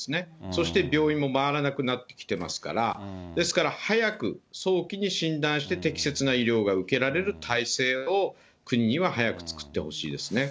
そして病院も回らなくなってきてますから、ですから、早く、早期に診断して、適切な医療が受けられる体制を国には早く作ってほしいですね。